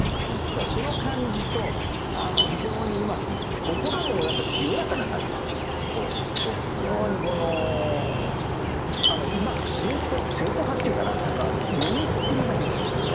だからその感じと非常にうまく言って心も何か清らかな感じがしてるという非常にうまく正統派っていうかな何か詠みっぷりがいい。